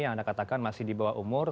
yang anda katakan masih di bawah umur